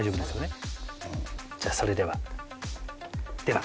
じゃあそれでは。